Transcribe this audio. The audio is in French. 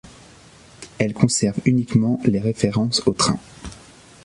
Elle conserve uniquement les références aux trains.